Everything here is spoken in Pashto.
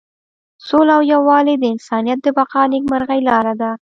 سوله او یووالی د انسانیت د بقا او نیکمرغۍ لاره ده.